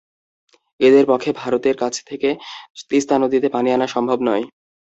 এদের পক্ষে ভারতের কাছ থেকে তিস্তা নদীতে পানি আনা সম্ভব নয়।